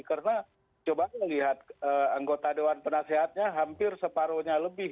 karena coba lihat anggota dewan penasehatnya hampir separuhnya lebih